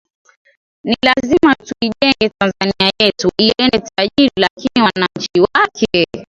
ni lazima tuijege tanzania yetu iende tajiri lakini wananchi wake